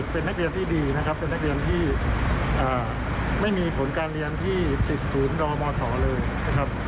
เป็นนักเรียนที่ไม่มีผลการเรียนที่ติดศูนย์ดมศเลยนะครับ